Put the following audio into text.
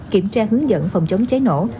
kiểm tra hướng dẫn phòng chống cháy nổ